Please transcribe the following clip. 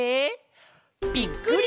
ぴっくり！